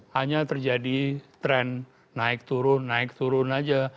hanya terjadi tren naik turun naik turun aja